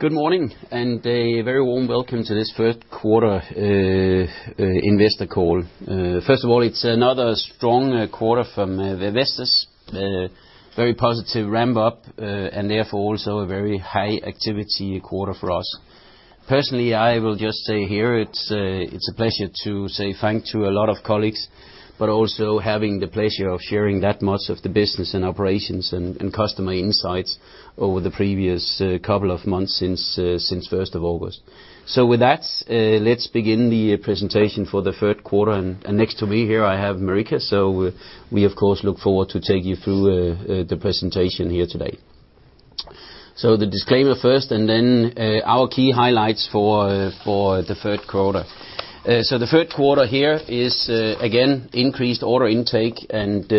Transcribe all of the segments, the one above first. Good morning, a very warm welcome to this third quarter investor call. First of all, it's another strong quarter from Vestas. Very positive ramp-up, and therefore also a very high activity quarter for us. Personally, I will just say here it's a pleasure to say thanks to a lot of colleagues, but also having the pleasure of sharing that much of the business and operations, and customer insights over the previous couple of months since 1st of August. With that, let's begin the presentation for the third quarter. Next to me here, I have Marika. We of course look forward to take you through the presentation here today. The disclaimer first, and then our key highlights for the third quarter. The third quarter here is, again, increased order intake, and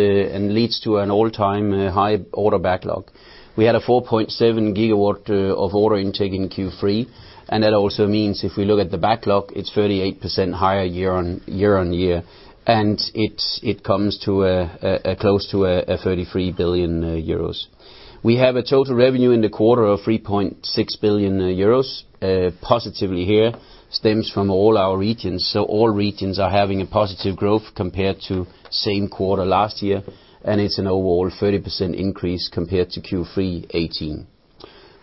leads to an all-time high order backlog. We had a 4.7 GW of order intake in Q3, and that also means if we look at the backlog, it's 38% higher year-on-year, and it comes close to 33 billion euros. We have a total revenue in the quarter of 3.6 billion euros. Positively here stems from all our regions. All regions are having a positive growth compared to same quarter last year, and it's an overall 30% increase compared to Q3 2018.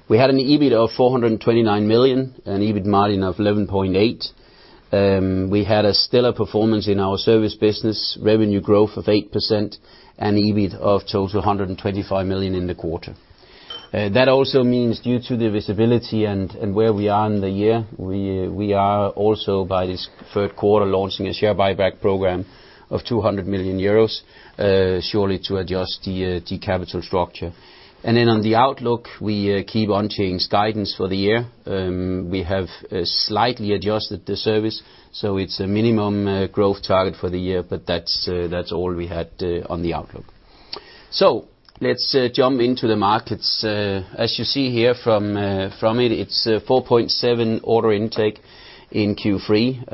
We had an EBIT of 429 million and EBIT margin of 11.8%. We had a stellar performance in our Service business, revenue growth of 8% and EBIT of total 125 million in the quarter. That also means due to the visibility and where we are in the year, we are also by this third quarter launching a share buyback program of 200 million euros, surely to adjust the capital structure. On the outlook, we keep unchanged guidance for the year. We have slightly adjusted the service, so it's a minimum growth target for the year, but that's all we had on the outlook. Let's jump into the markets. As you see here from it's 4.7 GW order intake in Q3.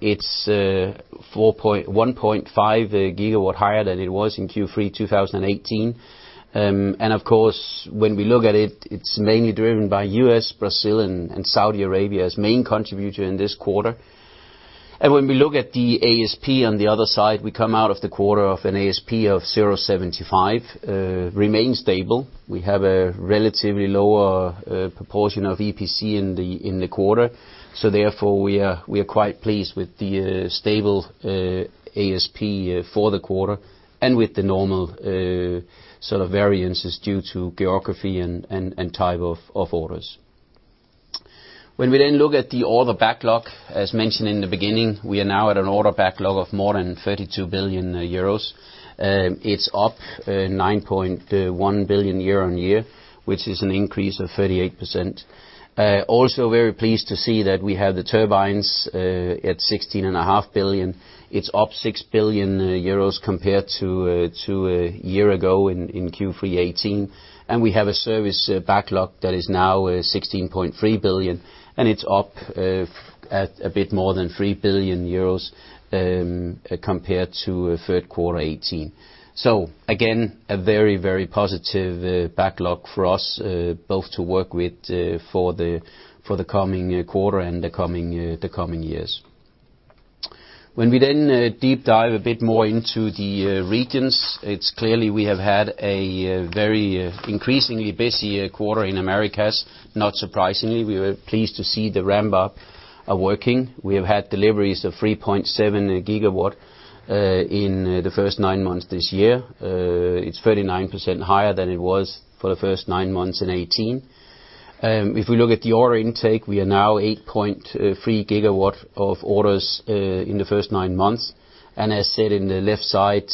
It's 1.5 GW higher than it was in Q3 2018. When we look at it's mainly driven by U.S., Brazil, and Saudi Arabia as main contributor in this quarter. When we look at the ASP on the other side, we come out of the quarter of an ASP of 0.75, remains stable. We have a relatively lower proportion of EPC in the quarter. Therefore we are quite pleased with the stable ASP for the quarter and with the normal sort of variances due to geography and type of orders. We look at the order backlog, as mentioned in the beginning, we are now at an order backlog of more than 32 billion euros. It's up 9.1 billion year-on-year, which is an increase of 38%. Very pleased to see that we have the turbines at 16.5 billion. It's up 6 billion euros compared to a year ago in Q3 2018. We have a service backlog that is now 16.3 billion, and it's up at a bit more than 3 billion euros, compared to third quarter 2018. A very positive backlog for us, both to work with for the coming quarter and the coming years. We deep dive a bit more into the regions, it's clearly we have had a very increasingly busy quarter in Americas. Not surprisingly, we were pleased to see the ramp-up working. We have had deliveries of 3.7 GW in the first nine months this year. It's 39% higher than it was for the first nine months in 2018. If we look at the order intake, we are now 8.3 GW of orders in the first nine months. As said in the left side,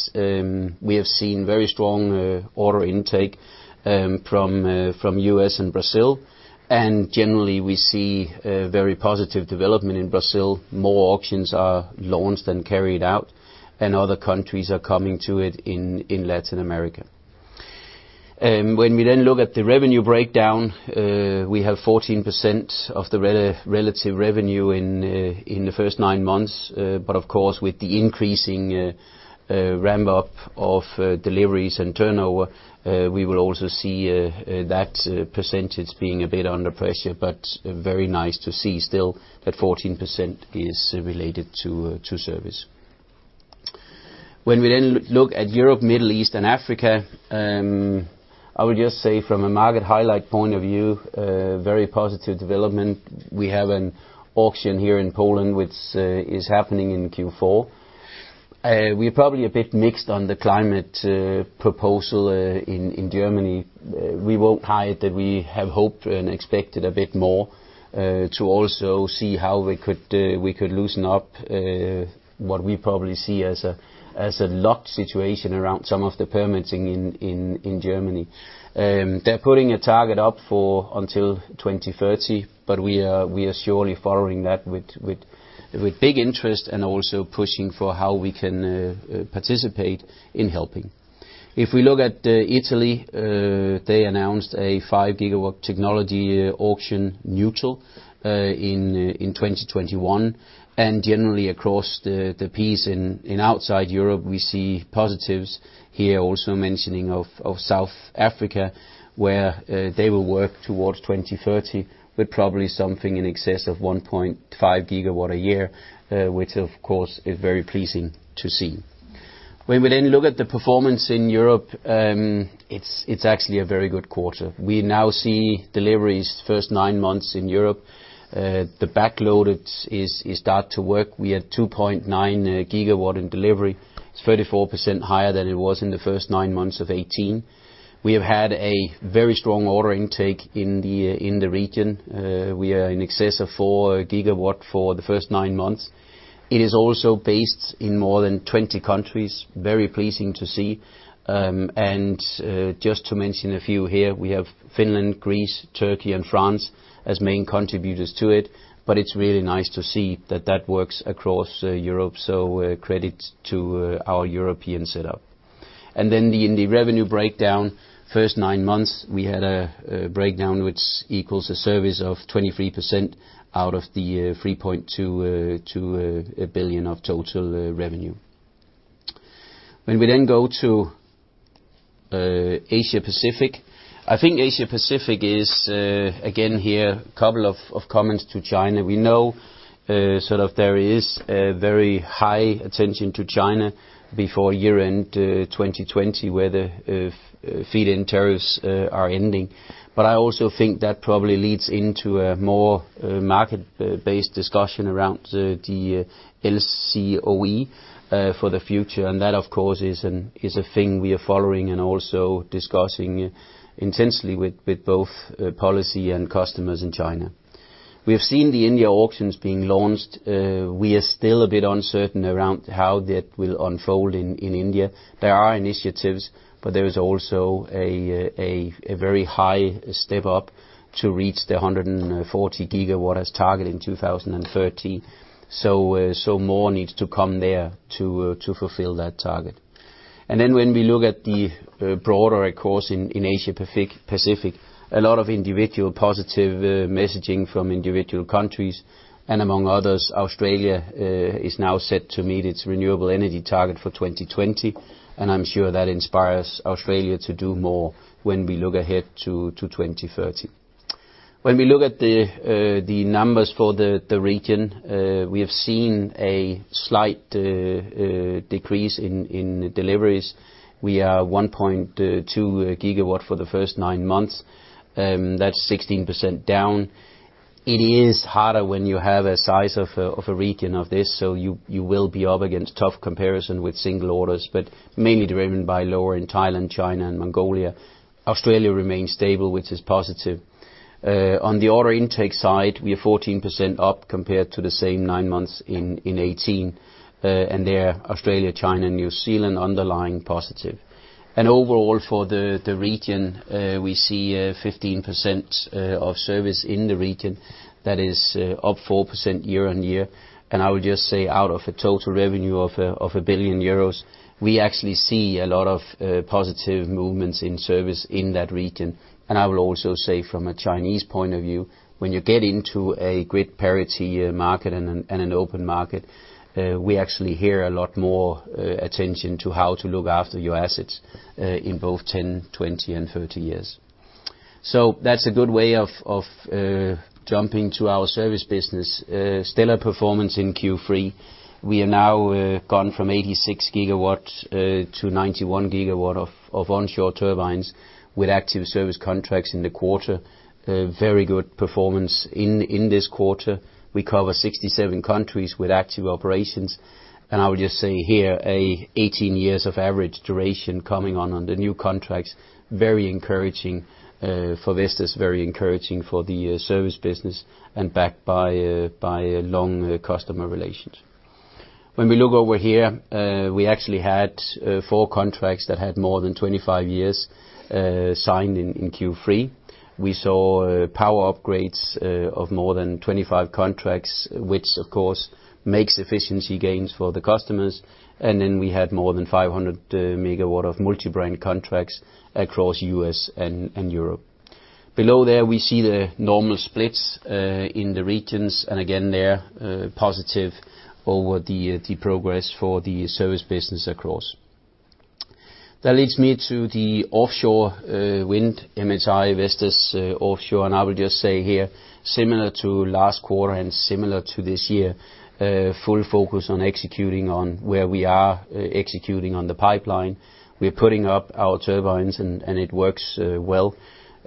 we have seen very strong order intake from U.S. and Brazil. Generally, we see a very positive development in Brazil. More auctions are launched and carried out, and other countries are coming to it in Latin America. When we then look at the revenue breakdown, we have 14% of the relative revenue in the first nine months. Of course, with the increasing ramp-up of deliveries and turnover, we will also see that percentage being a bit under pressure, but very nice to see still that 14% is related to service. When we then look at Europe, Middle East, and Africa, I would just say from a market highlight point of view, very positive development. We have an auction here in Poland, which is happening in Q4. We're probably a bit mixed on the climate proposal in Germany. We won't hide that we have hoped and expected a bit more, to also see how we could loosen up what we probably see as a locked situation around some of the permitting in Germany. They're putting a target up for until 2030, but we are surely following that with big interest and also pushing for how we can participate in helping. If we look at Italy, they announced a 5 GW technology-neutral auction, in 2021. Generally across the piece in outside Europe, we see positives here also mentioning of South Africa, where they will work towards 2030 with probably something in excess of 1.5 GW a year, which of course is very pleasing to see. We then look at the performance in Europe, it's actually a very good quarter. We now see deliveries first nine months in Europe. The backload is start to work. We had 2.9 GW in delivery. It's 34% higher than it was in the first nine months of 2018. We have had a very strong order intake in the region. We are in excess of 4 GW for the first nine months. It is also based in more than 20 countries, very pleasing to see. Just to mention a few here, we have Finland, Greece, Turkey, and France as main contributors to it, but it's really nice to see that that works across Europe. Credit to our European setup. In the revenue breakdown, first nine months, we had a breakdown which equals a service of 23% out of the 3.2 billion of total revenue. When we then go to Asia-Pacific, I think Asia-Pacific is, again here, couple of comments to China. We know there is a very high attention to China before year-end 2020, where the feed-in tariffs are ending. I also think that probably leads into a more market-based discussion around the LCOE for the future. That, of course, is a thing we are following and also discussing intensely with both policy and customers in China. We have seen the India auctions being launched. We are still a bit uncertain around how that will unfold in India. There are initiatives, there is also a very high step-up to reach the 140 GW target in 2030. More needs to come there to fulfill that target. When we look at the broader, of course, in Asia-Pacific, a lot of individual positive messaging from individual countries. Among others, Australia is now set to meet its renewable energy target for 2020, and I'm sure that inspires Australia to do more when we look ahead to 2030. When we look at the numbers for the region, we have seen a slight decrease in deliveries. We are 1.2 GW for the first nine months. That's 16% down. It is harder when you have a size of a region of this, so you will be up against tough comparison with single orders, but mainly driven by lower in Thailand, China, and Mongolia. Australia remains stable, which is positive. On the order intake side, we are 14% up compared to the same nine months in 2018, and there Australia, China, and New Zealand underlying positive. Overall for the region, we see a 15% of Service in the region that is up 4% year-on-year. I would just say out of a total revenue of 1 billion euros, we actually see a lot of positive movements in Service in that region. I will also say from a Chinese point of view, when you get into a grid parity market and an open market, we actually hear a lot more attention to how to look after your assets in both 10, 20, and 30 years. That's a good way of jumping to our Service business. Stellar performance in Q3. We are now gone from 86 GW to 91 GW of onshore turbines with active service contracts in the quarter. Very good performance in this quarter. We cover 67 countries with active operations. I would just say here, 18 years of average duration coming on the new contracts, very encouraging for Vestas, very encouraging for the Service business, and backed by long customer relations. When we look over here, we actually had four contracts that had more than 25 years signed in Q3. We saw power upgrades of more than 25 contracts, which of course makes efficiency gains for the customers. We had more than 500 MW of multi-brand contracts across U.S. and Europe. Below there, we see the normal splits in the regions, and again there, positive over the progress for the Service business across. That leads me to the offshore wind, MHI Vestas Offshore. I will just say here, similar to last quarter and similar to this year, full focus on executing on where we are executing on the pipeline. We're putting up our turbines. It works well.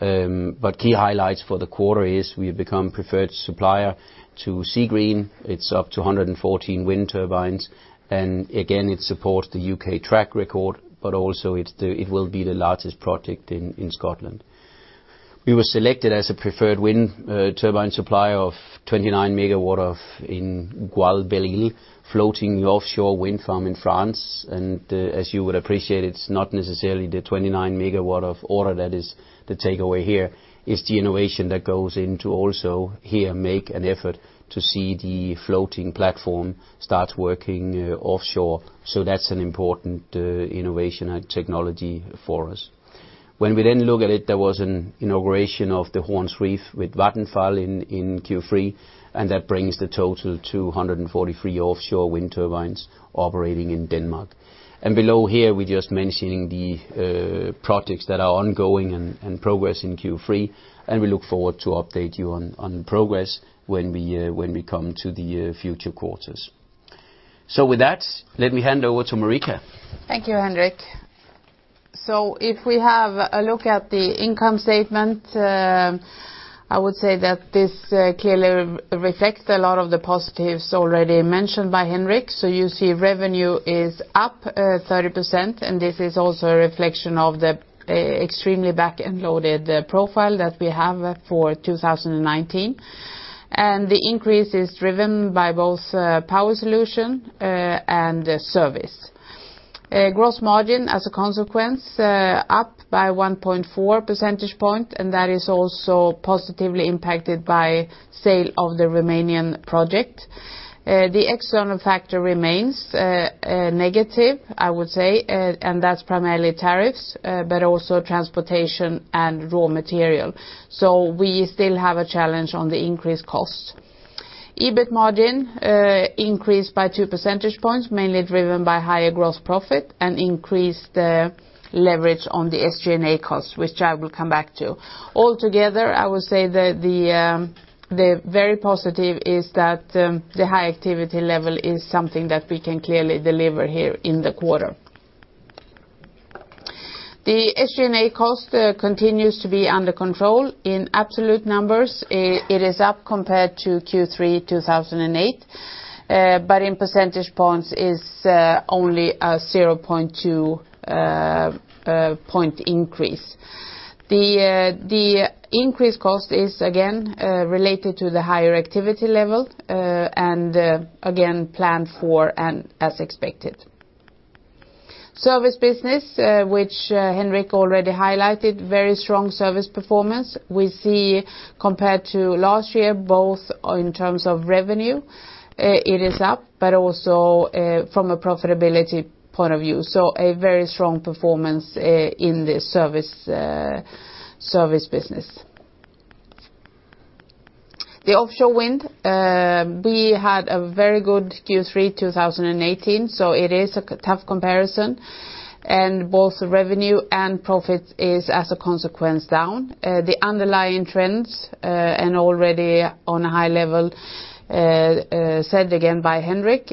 Key highlights for the quarter is we have become preferred supplier to Seagreen. It's up to 114 wind turbines. It supports the U.K. track record. Also, it will be the largest project in Scotland. We were selected as a preferred wind turbine supplier of 29 MW in Groix & Belle-Île, floating offshore wind farm in France. As you would appreciate, it's not necessarily the 29 MW of order that is the takeaway here. It's the innovation that goes into also here make an effort to see the floating platform start working offshore. That's an important innovation and technology for us. When we then look at it, there was an inauguration of the Horns Rev with Vattenfall in Q3, and that brings the total to 143 offshore wind turbines operating in Denmark. Below here, we're just mentioning the projects that are ongoing and progress in Q3, and we look forward to update you on progress when we come to the future quarters. With that, let me hand over to Marika. Thank you, Henrik. If we have a look at the income statement, I would say that this clearly reflects a lot of the positives already mentioned by Henrik. You see revenue is up 30%, and this is also a reflection of the extremely back-end loaded profile that we have for 2019. The increase is driven by both Power Solutions and Service. Gross margin, as a consequence, up by 1.4 percentage point, and that is also positively impacted by sale of the Romanian project. The external factor remains negative, I would say, and that's primarily tariffs, but also transportation and raw material. We still have a challenge on the increased cost. EBIT margin increased by 2 percentage points, mainly driven by higher gross profit and increased leverage on the SG&A cost, which I will come back to. Altogether, I would say that the very positive is that the high activity level is something that we can clearly deliver here in the quarter. The SG&A cost continues to be under control. In absolute numbers, it is up compared to Q3 2008, but in percentage points is only a 0.2 point increase. The increased cost is again related to the higher activity level, and again, planned for and as expected. Service business, which Henrik already highlighted, very strong service performance. We see compared to last year, both in terms of revenue, it is up, but also from a profitability point of view. A very strong performance in the Service business. The offshore wind, we had a very good Q3 2018, so it is a tough comparison, and both revenue and profit is, as a consequence, down. The underlying trends, already on a high level, said again by Henrik,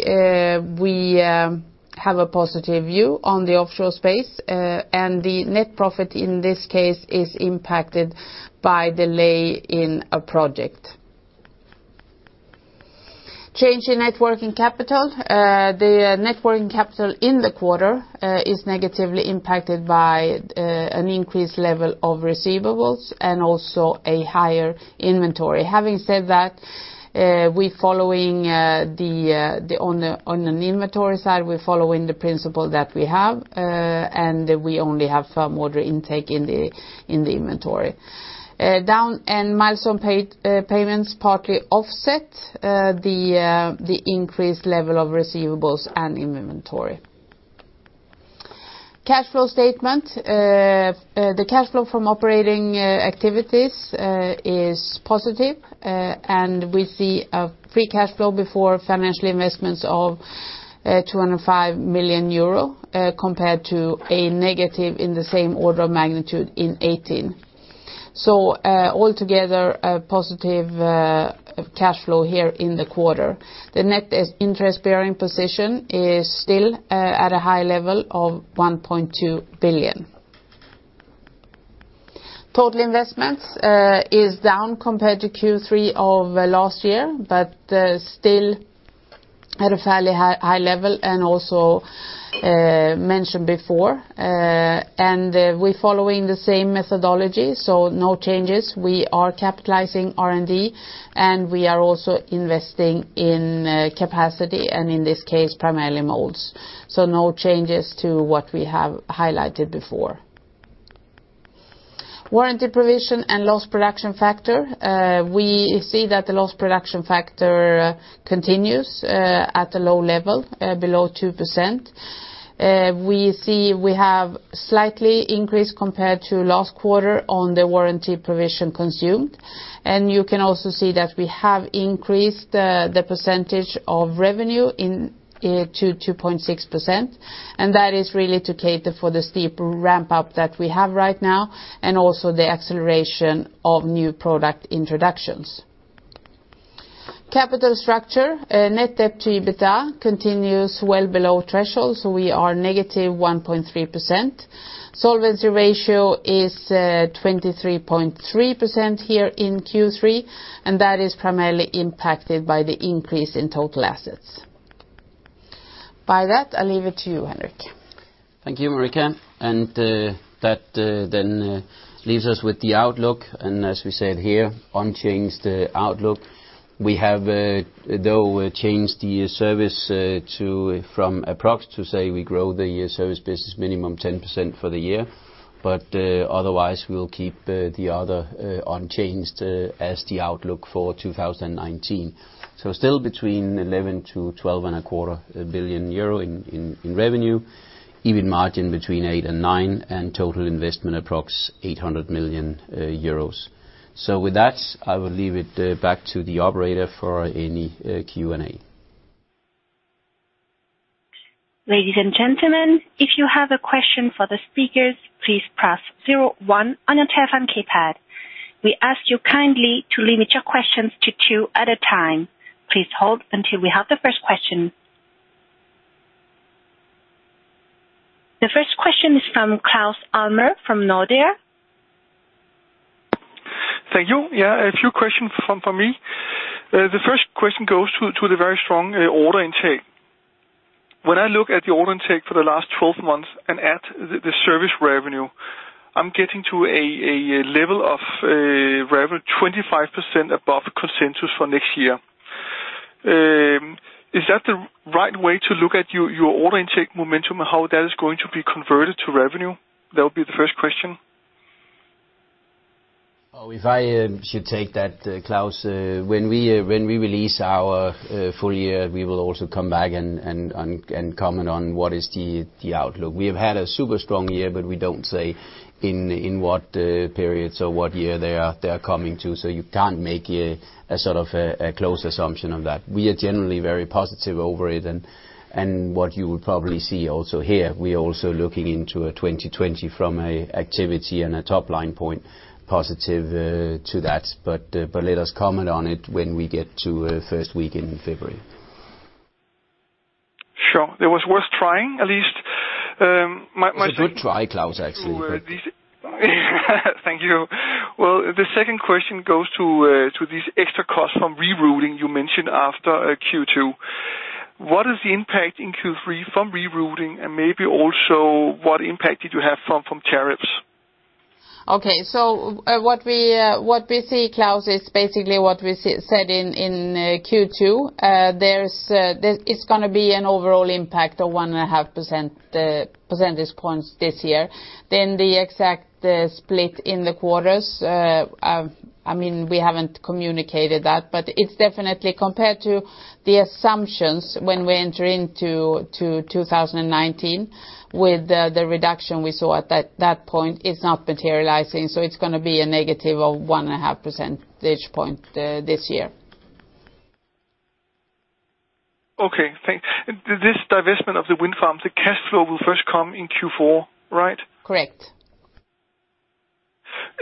we have a positive view on the offshore space. The net profit in this case is impacted by delay in a project. Change in net working capital. The net working capital in the quarter is negatively impacted by an increased level of receivables and also a higher inventory. Having said that, on an inventory side, we're following the principle that we have. We only have firm order intake in the inventory. Down and milestone payments partly offset the increased level of receivables and inventory. Cash flow statement. The cash flow from operating activities is positive. We see a free cash flow before financial investments of 205 million euro, compared to a negative in the same order of magnitude in 2018. Altogether, a positive cash flow here in the quarter. The net interest bearing position is still at a high level of 1.2 billion. Total investments is down compared to Q3 of last year, but still at a fairly high level, and also mentioned before. We're following the same methodology, no changes. We are capitalizing R&D, and we are also investing in capacity, and in this case, primarily molds. No changes to what we have highlighted before. Warranty provision and lost production factor. We see that the lost production factor continues at a low level, below 2%. We see we have slightly increased compared to last quarter on the warranty provision consumed, and you can also see that we have increased the percentage of revenue to 2.6%, and that is really to cater for the steep ramp-up that we have right now, and also the acceleration of new product introductions. Capital structure. Net debt to EBITDA continues well below threshold, so we are -1.3%. Solvency ratio is 23.3% here in Q3, and that is primarily impacted by the increase in total assets. By that, I leave it to you, Henrik. Thank you, Marika. That leaves us with the outlook, as we said here, unchanged outlook. We have, though, changed the service from approx to say we grow the year Service business minimum 10% for the year, otherwise, we'll keep the other unchanged as the outlook for 2019. Still between 11 billion euro to EUR 12.25 billion in revenue, EBIT margin between 8% and 9%, and total investment approx 800 million euros. With that, I will leave it back to the operator for any Q&A. Ladies and gentlemen, if you have a question for the speakers, please press zero one on your telephone keypad. We ask you kindly to limit your questions to two at a time. Please hold until we have the first question. The first question is from Claus Almer from Nordea. Thank you. Yeah, a few questions from me. The first question goes to the very strong order intake. When I look at the order intake for the last 12 months and at the service revenue, I'm getting to a level of revenue 25% above consensus for next year. Is that the right way to look at your order intake momentum and how that is going to be converted to revenue? That would be the first question. If I should take that, Claus. When we release our full year, we will also come back and comment on what is the outlook. We have had a super strong year, we don't say in what periods or what year they are coming to, so you can't make a close assumption of that. We are generally very positive over it, what you will probably see also here, we are also looking into 2020 from activity and a top-line point positive to that. Let us comment on it when we get to the first week in February. Sure. It was worth trying, at least. My second- It's a good try, Claus, actually. Thank you. Well, the second question goes to these extra costs from rerouting you mentioned after Q2. What is the impact in Q3 from rerouting, and maybe also what impact did you have from tariffs? Okay, what we see, Claus, is basically what we said in Q2. It's going to be an overall impact of 1.5 percentage points this year. The exact split in the quarters, we haven't communicated that, but it's definitely compared to the assumptions when we enter into 2019 with the reduction we saw at that point is not materializing. It's going to be a -1.5 percentage point this year. Okay, thanks. This divestment of the wind farm, the cash flow will first come in Q4, right? Correct.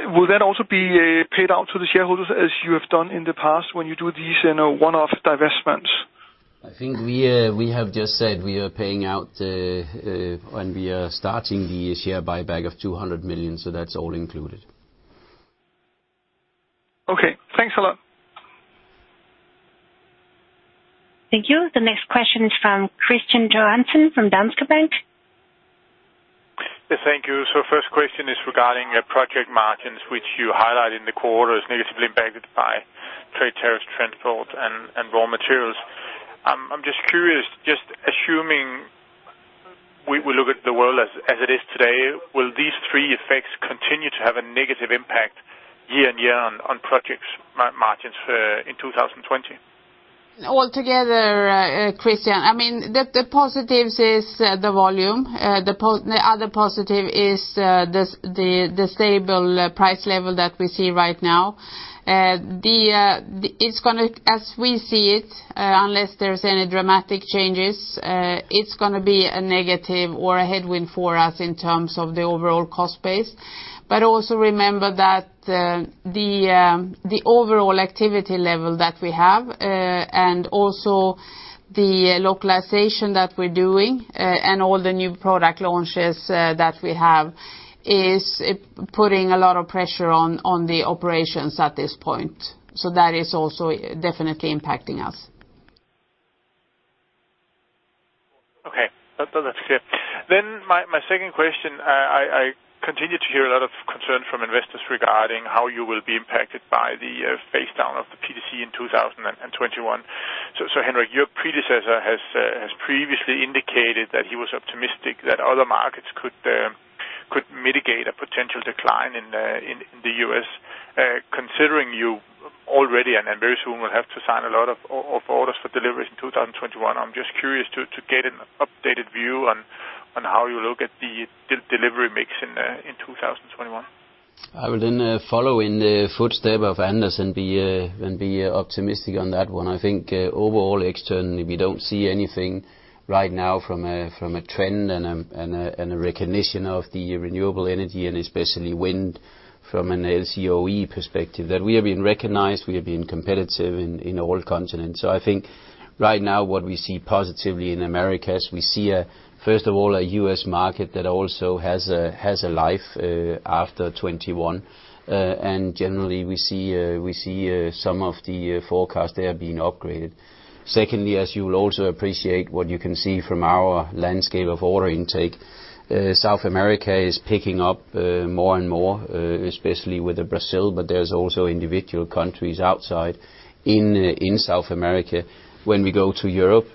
Will that also be paid out to the shareholders as you have done in the past when you do these one-off divestments? I think we have just said we are paying out when we are starting the share buyback of 200 million. That's all included. Okay. Thanks a lot. Thank you. The next question is from Kristian Johansen from Danske Bank. Yes, thank you. First question is regarding project margins, which you highlight in the quarter as negatively impacted by trade tariffs, transport, and raw materials. I'm just curious, just assuming we look at the world as it is today, will these three effects continue to have a negative impact year-on-year on project margins in 2020? Altogether, Kristian, the positive is the volume. The other positive is the stable price level that we see right now. As we see it, unless there's any dramatic changes, it's going to be a negative or a headwind for us in terms of the overall cost base. Also remember that the overall activity level that we have, and also the localization that we're doing, and all the new product launches that we have is putting a lot of pressure on the operations at this point. That is also definitely impacting us. Okay. That's clear. My second question, I continue to hear a lot of concern from investors regarding how you will be impacted by the phase down of the PTC in 2021. Henrik, your predecessor has previously indicated that he was optimistic that other markets could mitigate a potential decline in the U.S. Considering you already and very soon will have to sign a lot of orders for deliveries in 2021. I'm just curious to get an updated view on how you look at the delivery mix in 2021. I will then follow in the footsteps of Anders and be optimistic on that one. I think overall, externally, we don't see anything right now from a trend and a recognition of the renewable energy and especially wind from an LCOE perspective, that we have been recognized, we have been competitive in all continents. I think right now what we see positively in Americas, we see, first of all, a U.S. market that also has a life after 2021. Generally, we see some of the forecasts there being upgraded. Secondly, as you will also appreciate what you can see from our landscape of order intake, South America is picking up more and more, especially with Brazil, but there's also individual countries outside in South America. When we go to Europe,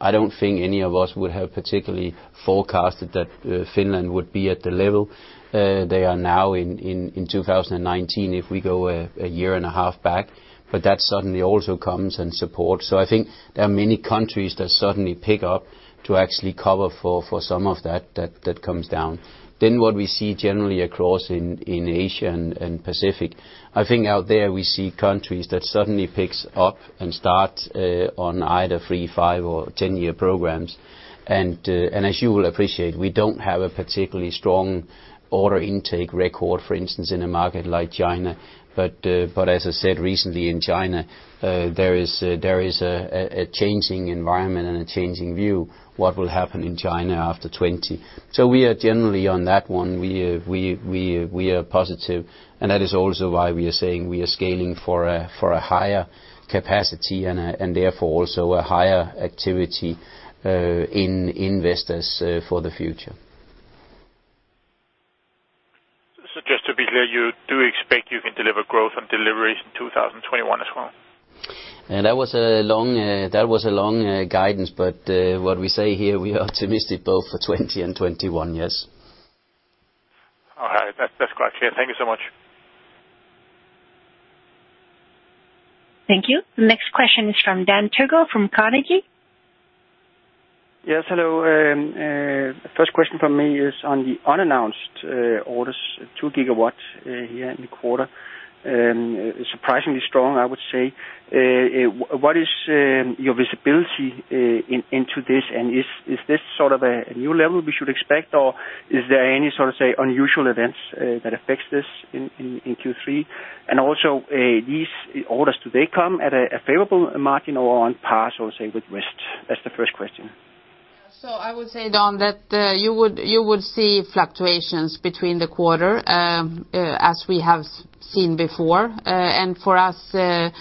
I don't think any of us would have particularly forecasted that Finland would be at the level they are now in 2019 if we go a year and a half back. That suddenly also comes and supports. I think there are many countries that suddenly pick up to actually cover for some of that comes down. What we see generally across in Asia and Pacific, I think out there we see countries that suddenly picks up and start on either 3, 5, or 10-year programs. As you will appreciate, we don't have a particularly strong order intake record, for instance, in a market like China. As I said recently in China, there is a changing environment and a changing view what will happen in China after 2020. We are generally on that one. We are positive, and that is also why we are saying we are scaling for a higher capacity and therefore also a higher activity in Vestas for the future. Just to be clear, you do expect you can deliver growth on deliveries in 2021 as well? That was a long guidance, but what we say here, we are optimistic both for 2020 and 2021. Yes. All right. That's quite clear. Thank you so much. Thank you. Next question is from Dan Togo from Carnegie. Yes, hello. First question from me is on the unannounced orders, 2 GW here in the quarter. Surprisingly strong, I would say. What is your visibility into this? Is this sort of a new level we should expect, or is there any sort of, say, unusual events that affects this in Q3? Also, these orders, do they come at a favorable margin or on par, so say with Vestas? That's the first question. I would say, Dan, that you would see fluctuations between the quarter, as we have seen before. For us, the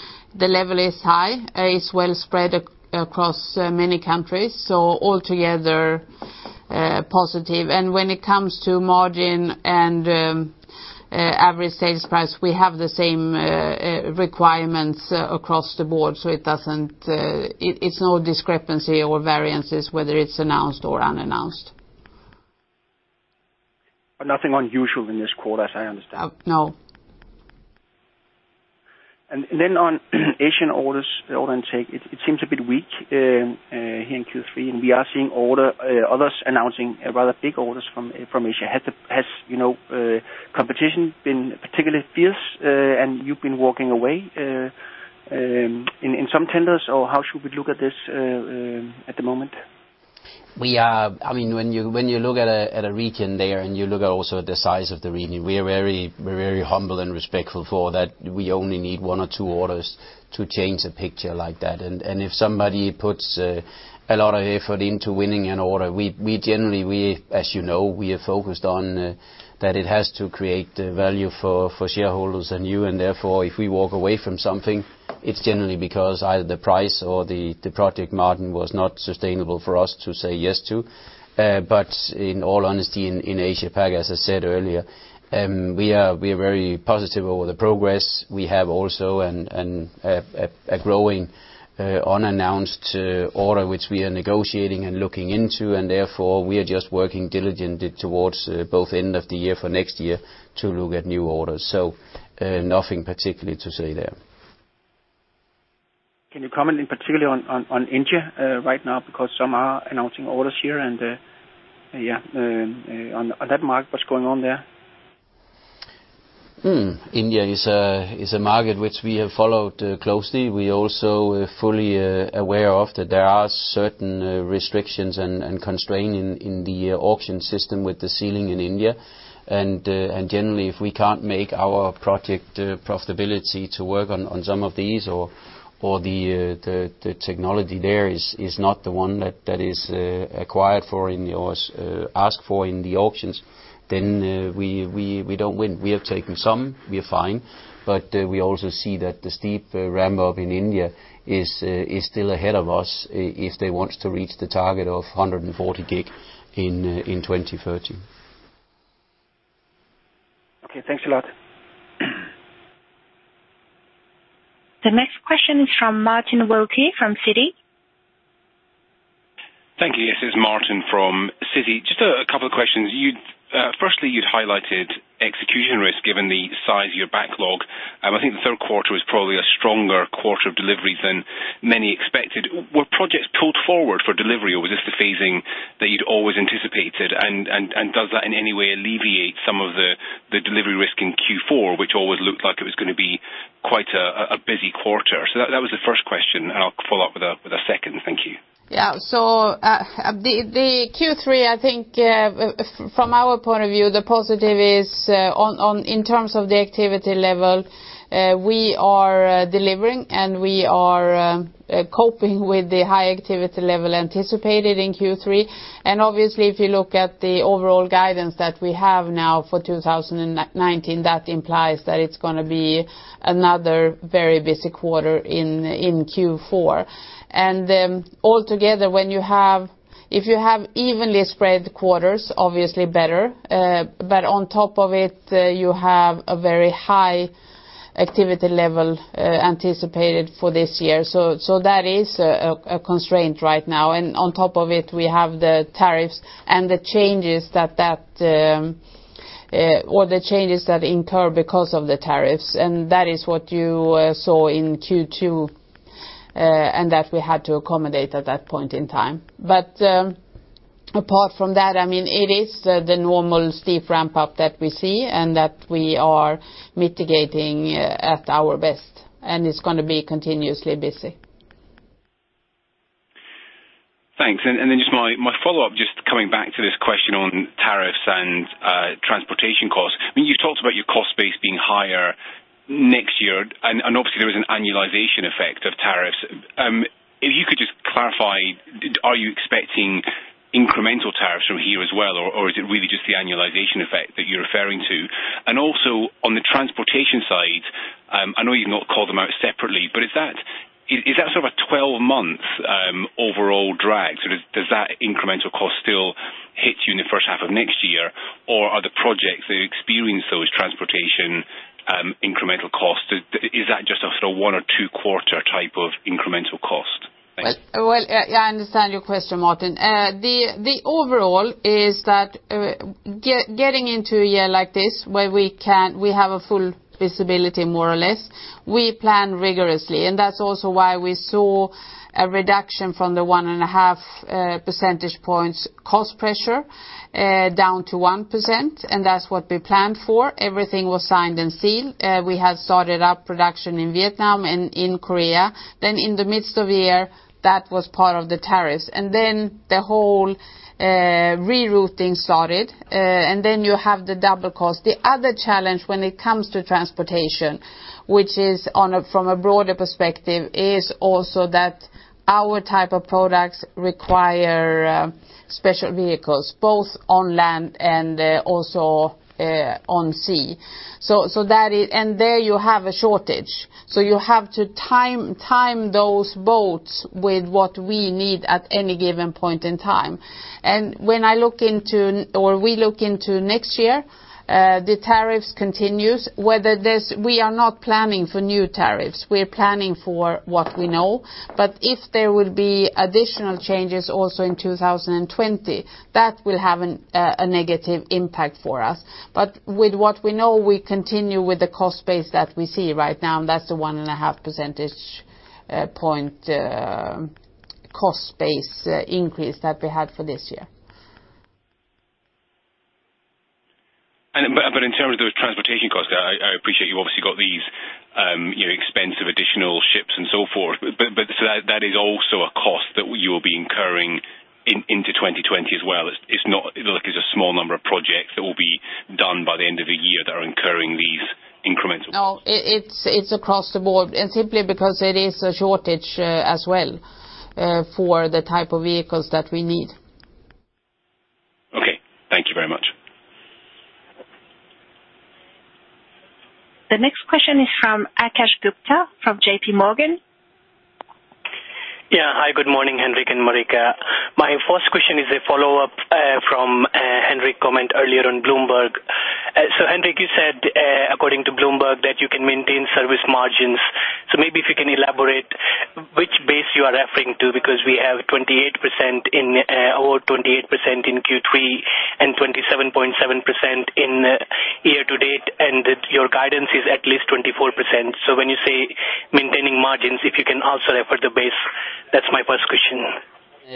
level is high. It's well spread across many countries. Altogether, positive. When it comes to margin and average sales price, we have the same requirements across the board, so it's no discrepancy or variances, whether it's announced or unannounced. Nothing unusual in this quarter, as I understand? No. On Asian orders, the order intake, it seems a bit weak here in Q3, and we are seeing others announcing rather big orders from Asia. Has competition been particularly fierce and you've been walking away in some tenders, or how should we look at this at the moment? When you look at a region there, and you look at also the size of the region, we're very humble and respectful for that. We only need one or two orders to change a picture like that. If somebody puts a lot of effort into winning an order, we generally, as you know, we are focused on that it has to create value for shareholders and you, therefore, if we walk away from something, it's generally because either the price or the project margin was not sustainable for us to say yes to. In all honesty, in Asia-Pac, as I said earlier we are very positive over the progress. We have also a growing unannounced order which we are negotiating and looking into, therefore, we are just working diligently towards both end of the year for next year to look at new orders. Nothing particularly to say there. Can you comment in particular on India right now? Some are announcing orders here and on that market, what's going on there? India is a market which we have followed closely. We're also fully aware of that there are certain restrictions and constraint in the auction system with the ceiling in India. Generally, if we can't make our project profitability to work on some of these or the technology there is not the one that is required for or asked for in the auctions, then we don't win. We have taken some, we are fine, but we also see that the steep ramp-up in India is still ahead of us, if they want to reach the target of 140 GW in 2030. Okay, thanks a lot. The next question is from Martin Wilkie from Citi. Thank you. Yes, it's Martin from Citi. Just a couple of questions. Firstly, you'd highlighted execution risk given the size of your backlog. I think the third quarter was probably a stronger quarter of delivery than many expected. Were projects pulled forward for delivery or was this the phasing that you'd always anticipated? Does that in any way alleviate some of the delivery risk in Q4, which always looked like it was going to be quite a busy quarter? That was the first question, and I'll follow up with a second. Thank you. The Q3, I think from our point of view, the positive is in terms of the activity level, we are delivering, and we are coping with the high activity level anticipated in Q3. Obviously, if you look at the overall guidance that we have now for 2019, that implies that it's going to be another very busy quarter in Q4. Altogether, if you have evenly spread quarters, obviously better, but on top of it, you have a very high activity level anticipated for this year. That is a constraint right now. On top of it, we have the tariffs and all the changes that incur because of the tariffs, and that is what you saw in Q2, and that we had to accommodate at that point in time. Apart from that, it is the normal steep ramp-up that we see and that we are mitigating at our best, and it's going to be continuously busy. Thanks. Then just my follow-up, just coming back to this question on tariffs and transportation costs. You've talked about your cost base being higher next year, and obviously there is an annualization effect of tariffs. If you could just clarify, are you expecting incremental tariffs from here as well, or is it really just the annualization effect that you're referring to? Also on the transportation side, I know you've not called them out separately, but is that sort of a months overall drag. Does that incremental cost still hit you in the first half of next year? Or are the projects that experience those transportation incremental costs, is that just a sort of one or two quarter type of incremental cost? Thanks. Well, I understand your question, Martin. The overall is that getting into a year like this, where we have a full visibility, more or less, we plan rigorously, and that is also why we saw a reduction from the 1.5 percentage points cost pressure, down to 1%, and that is what we planned for. Everything was signed and sealed. We had started up production in Vietnam and in Korea. In the midst of the year, that was part of the tariffs. The whole rerouting started. You have the double cost. The other challenge when it comes to transportation, which is from a broader perspective, is also that our type of products require special vehicles, both on land and also on sea. There you have a shortage. You have to time those boats with what we need at any given point in time. When we look into next year, the tariffs continues. We are not planning for new tariffs. We're planning for what we know. If there will be additional changes also in 2020, that will have a negative impact for us. With what we know, we continue with the cost base that we see right now, and that's the 1.5 percentage point cost base increase that we had for this year. In terms of those transportation costs, I appreciate you've obviously got these expensive additional ships and so forth. That is also a cost that you'll be incurring into 2020 as well. It's not like it's a small number of projects that will be done by the end of the year that are incurring these incremental costs. No, it's across the board, and simply because it is a shortage as well for the type of vehicles that we need. Okay. Thank you very much. The next question is from Akash Gupta, from JPMorgan. Yeah. Hi, good morning, Henrik and Marika. My first question is a follow-up from Henrik comment earlier on Bloomberg. Henrik, you said, according to Bloomberg, that you can maintain service margins. Maybe if you can elaborate which base you are referring to, because we have 28% in Q3 and 27.7% in year-to-date, and that your guidance is at least 24%. When you say maintaining margins, if you can also refer the base. That's my first question.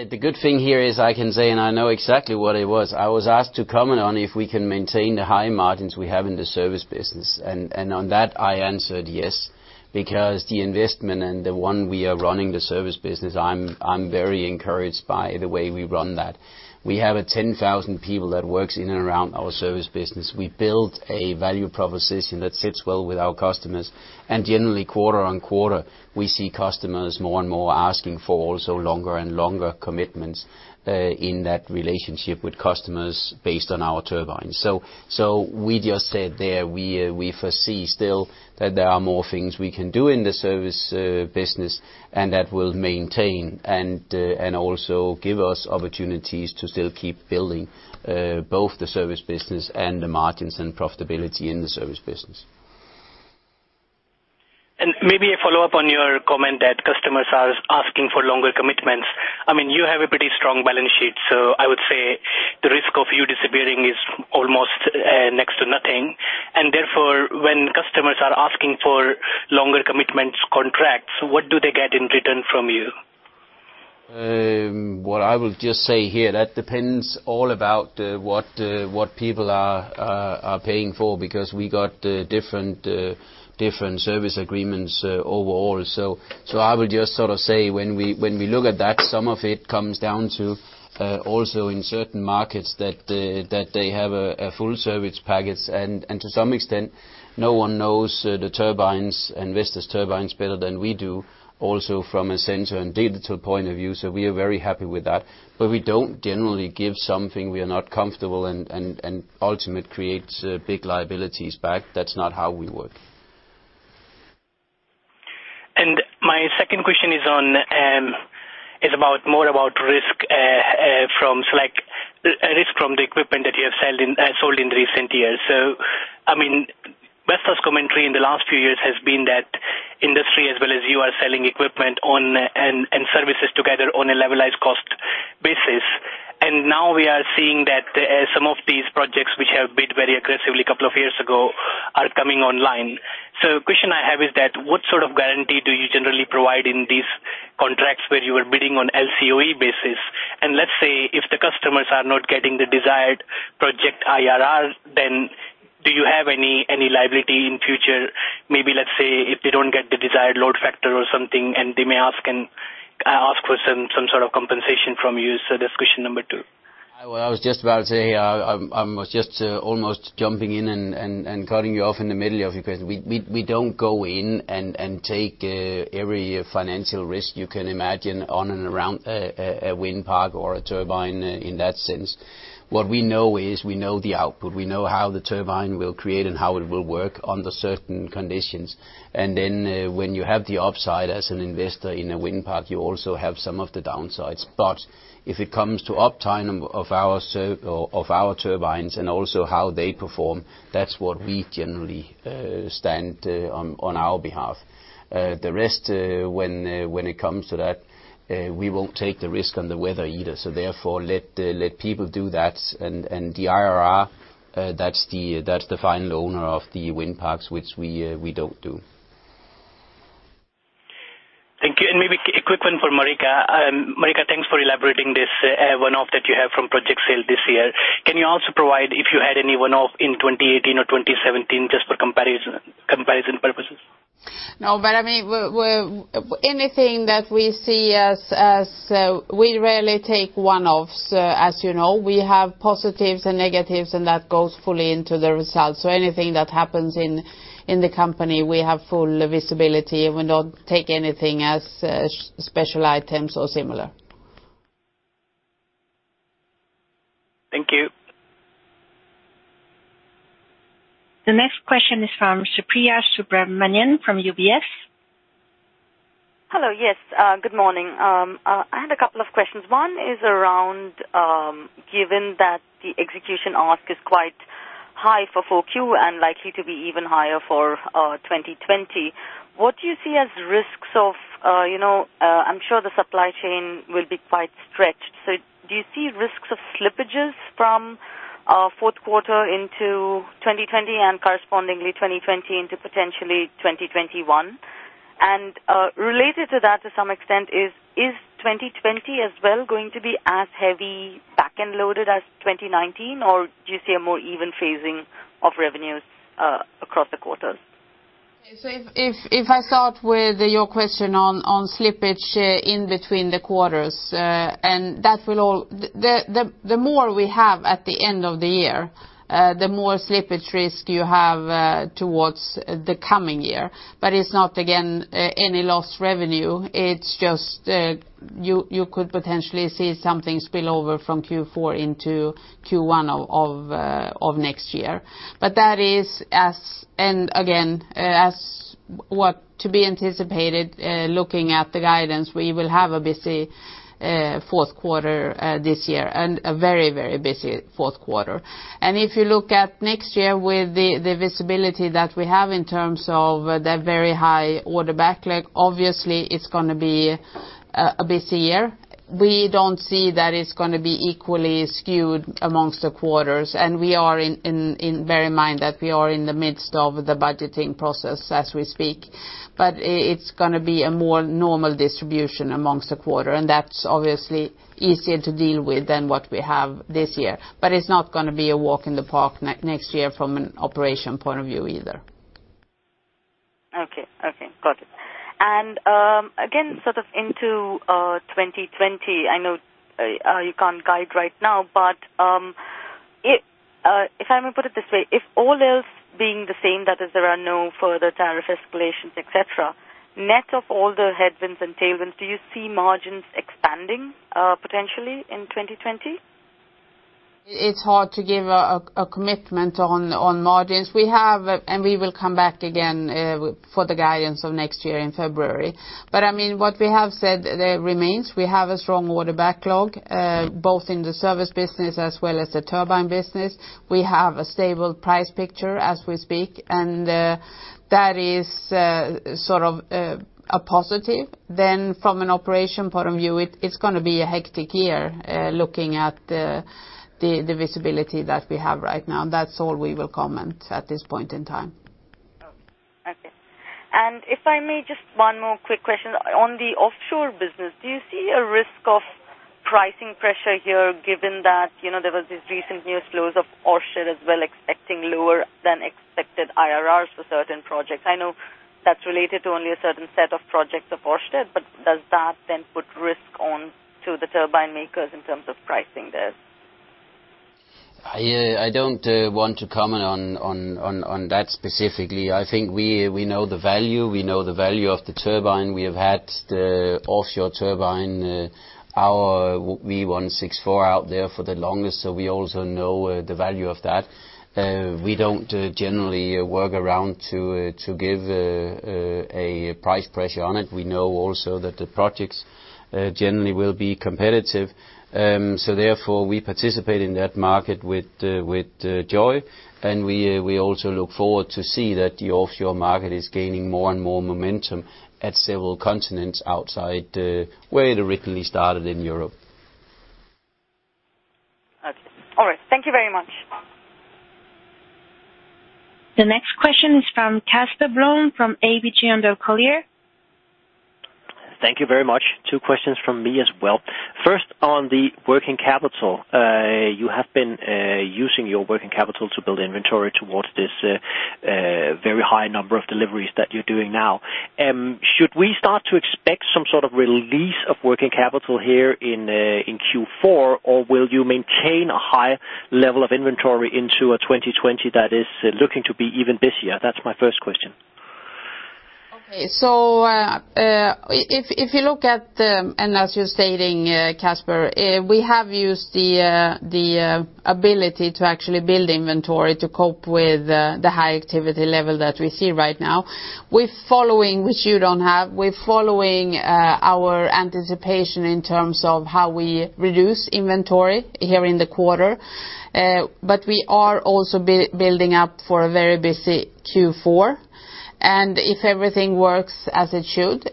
The good thing here is I can say, and I know exactly what it was. I was asked to comment on if we can maintain the high margins we have in the Service business. On that, I answered yes, because the investment and the one we are running the Service business, I'm very encouraged by the way we run that. We have 10,000 people that works in and around our Service business. We built a value proposition that sits well with our customers. Generally quarter-on-quarter, we see customers more and more asking for also longer and longer commitments, in that relationship with customers based on our turbines. We just said there, we foresee still that there are more things we can do in the Service business and that will maintain and also give us opportunities to still keep building both the Service business and the margins and profitability in the Service business. Maybe a follow-up on your comment that customers are asking for longer commitments. You have a pretty strong balance sheet. I would say the risk of you disappearing is almost next to nothing. Therefore, when customers are asking for longer commitments contracts, what do they get in return from you? What I will just say here, that depends all about what people are paying for, because we got different service agreements overall. I will just sort of say, when we look at that, some of it comes down to also in certain markets that they have a full service package. To some extent, no one knows the Vestas turbines better than we do, also from a sensor and digital point of view, so we are very happy with that. We don't generally give something we are not comfortable and ultimate creates big liabilities back. That's not how we work. My second question is more about risk from the equipment that you have sold in recent years. Vestas commentary in the last few years has been that industry as well as you are selling equipment and services together on a levelized cost basis. Now we are seeing that some of these projects which have bid very aggressively a couple of years ago are coming online. The question I have is that what sort of guarantee do you generally provide in these contracts where you are bidding on LCOE basis? Let's say if the customers are not getting the desired project IRR, then do you have any liability in future, maybe let's say if they don't get the desired load factor or something, and they may ask for some sort of compensation from you. That's question number two. I was just about to say, I was just almost jumping in and cutting you off in the middle of your question. We don't go in and take every financial risk you can imagine on and around a wind park or a turbine in that sense. What we know is we know the output. We know how the turbine will create and how it will work under certain conditions. When you have the upside as an investor in a wind park, you also have some of the downsides. If it comes to uptime of our turbines and also how they perform, that's what we generally stand on our behalf. The rest, when it comes to that, we won't take the risk on the weather either. Therefore, let people do that. The IRR, that's the final owner of the wind parks, which we don't do. Thank you. Maybe a quick one for Marika. Marika, thanks for elaborating this one-off that you have from project sale this year. Can you also provide if you had any one-off in 2018 or 2017, just for comparison purposes? Anything that we see we rarely take one-offs, as you know. We have positives and negatives, and that goes fully into the results. Anything that happens in the company, we have full visibility. We don't take anything as special items or similar. Thank you. The next question is from Supriya Subramanian from UBS. Hello, yes. Good morning. I had a couple of questions. One is around, given that the execution ask is quite high for 4Q and likely to be even higher for 2020, I am sure the supply chain will be quite stretched. Do you see risks of slippages from fourth quarter into 2020 and correspondingly 2020 into potentially 2021? Related to that to some extent is 2020 as well going to be as heavy backend loaded as 2019? Do you see a more even phasing of revenues across the quarters? If I start with your question on slippage in between the quarters, the more we have at the end of the year, the more slippage risk you have towards the coming year. It's not, again, any lost revenue. It's just you could potentially see something spill over from Q4 into Q1 of next year. That is, again, to be anticipated, looking at the guidance, we will have a busy fourth quarter this year, and a very busy fourth quarter. If you look at next year with the visibility that we have in terms of that very high order backlog, obviously, it's going to be a busy year. We don't see that it's going to be equally skewed amongst the quarters, and bear in mind that we are in the midst of the budgeting process as we speak. It's going to be a more normal distribution amongst the quarter, and that's obviously easier to deal with than what we have this year. It's not going to be a walk in the park next year from an operation point of view either. Okay. Got it. Again, sort of into 2020, I know you can't guide right now, but if I may put it this way, if all else being the same, that is there are no further tariff escalations, et cetera, net of all the headwinds and tailwinds, do you see margins expanding potentially in 2020? It's hard to give a commitment on margins. We will come back again for the guidance of next year in February. What we have said remains. We have a strong order backlog both in the Service business as well as the turbine business. We have a stable price picture as we speak, and that is sort of a positive. From an operation point of view, it's going to be a hectic year looking at the visibility that we have right now. That's all we will comment at this point in time. Okay. If I may, just one more quick question. On the offshore business, do you see a risk of pricing pressure here given that there was this recent news flows of offshore as well expecting lower-than-expected IRRs for certain projects? I know that's related to only a certain set of projects of offshore, does that then put risk on to the turbine makers in terms of pricing this? I don't want to comment on that specifically. I think we know the value. We know the value of the turbine. We have had the offshore turbine, our V164 out there for the longest, so we also know the value of that. We don't generally work around to give a price pressure on it. We know also that the projects generally will be competitive. Therefore, we participate in that market with joy, and we also look forward to see that the offshore market is gaining more and more momentum at several continents outside where it originally started in Europe. Okay. All right. Thank you very much. The next question is from Casper Blom from ABG Sundal Collier. Thank you very much. Two questions from me as well. First, on the working capital. You have been using your working capital to build inventory towards this very high number of deliveries that you are doing now. Should we start to expect some sort of release of working capital here in Q4, or will you maintain a high level of inventory into a 2020 that is looking to be even busier? That's my first question. If you look at the, as you're stating, Casper, we have used the ability to actually build inventory to cope with the high activity level that we see right now, which you don't have. We're following our anticipation in terms of how we reduce inventory here in the quarter. We are also building up for a very busy Q4. If everything works as it should,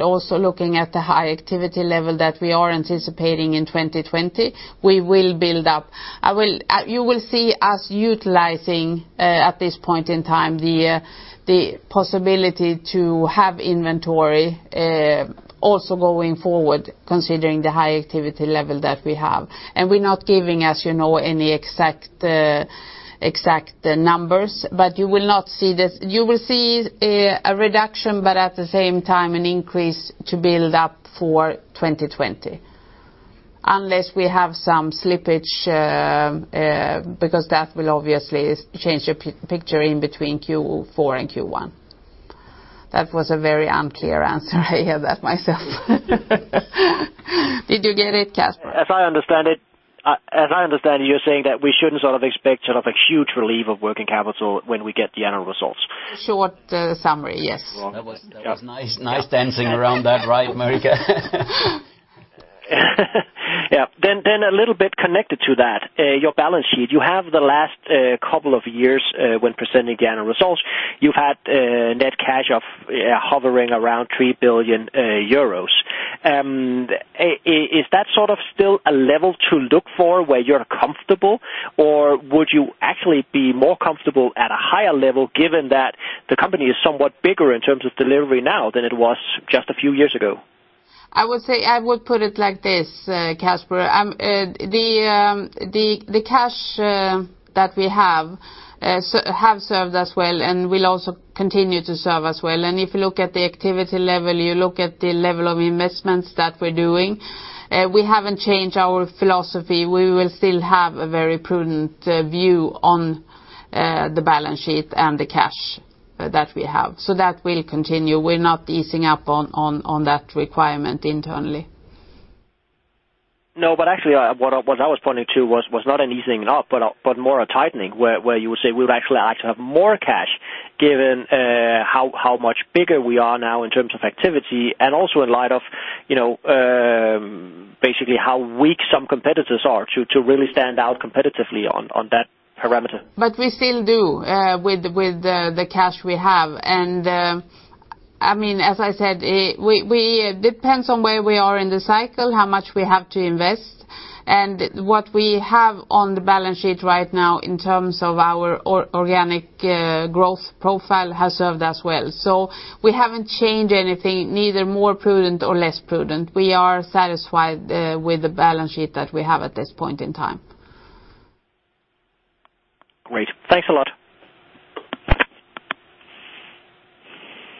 also looking at the high activity level that we are anticipating in 2020, we will build up. You will see us utilizing, at this point in time, the possibility to have inventory, also going forward, considering the high activity level that we have. We're not giving, as you know, any exact numbers. You will see a reduction, but at the same time, an increase to build up for 2020. Unless we have some slippage, because that will obviously change the picture in between Q4 and Q1. That was a very unclear answer. I hear that myself. Did you get it, Casper? As I understand it, you're saying that we shouldn't sort of expect a huge relief of working capital when we get the annual results. Short summary, yes. That was nice dancing around that, right, Marika? A little bit connected to that, your balance sheet. You have the last couple of years when presenting the annual results, you've had net cash hovering around 3 billion euros. Is that sort of still a level to look for, where you are uncomfortable? Would you actually be more comfortable at a higher level, given that the company is somewhat bigger in terms of delivery now than it was just a few years ago? I would put it like this, Casper. The cash that we have served us well and will also continue to serve us well. If you look at the activity level, you look at the level of investments that we're doing. We haven't changed our philosophy. We will still have a very prudent view on the balance sheet and the cash that we have. That will continue. We're not easing up on that requirement internally. No, actually, what I was pointing to was not an easing up, but more a tightening where you would say we would actually like to have more cash given how much bigger we are now in terms of activity and also in light of basically how weak some competitors are to really stand out competitively on that parameter. We still do with the cash we have. As I said, it depends on where we are in the cycle, how much we have to invest, and what we have on the balance sheet right now in terms of our organic growth profile has served us well. We haven't changed anything, neither more prudent or less prudent. We are satisfied with the balance sheet that we have at this point in time. Great. Thanks a lot.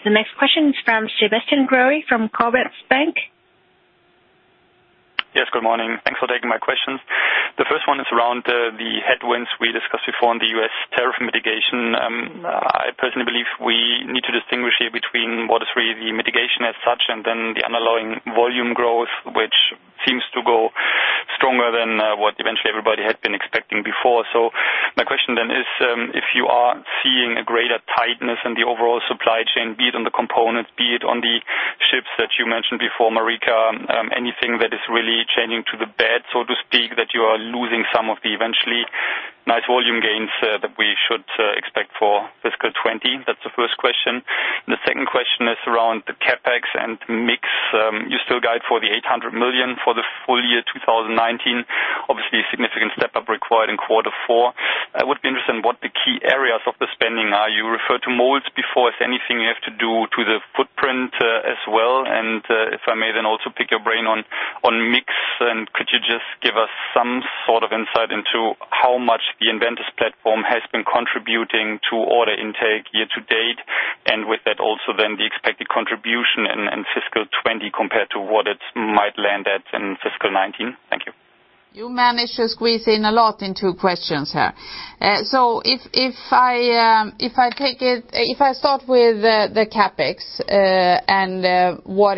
The next question is from Sebastian Growe from Commerzbank. Yes, good morning. Thanks for taking my questions. The first one is around the headwinds we discussed before on the U.S. tariff mitigation. I personally believe we need to distinguish here between what is really the mitigation as such and then the underlying volume growth, which seems to go stronger than what eventually everybody had been expecting before. My question then is, if you are seeing a greater tightness in the overall supply chain, be it on the components, be it on the ships that you mentioned before, Marika, anything that is really changing to the bad, so to speak, that you are losing some of the eventually nice volume gains that we should expect for fiscal 2020? That's the first question. The second question is around the CapEx and mix. You still guide for the 800 million for the full year 2019, obviously a significant step-up required in quarter four. I would be interested in what the key areas of the spending are. You referred to molds before. Is there anything you have to do to the footprint as well? If I may then also pick your brain on mix, and could you just give us some sort of insight into how much the EnVentus platform has been contributing to order intake year to date? With that also then the expected contribution in fiscal 2020 compared to what it might land at in fiscal 2019. Thank you. You managed to squeeze in a lot in two questions here. If I start with the CapEx and what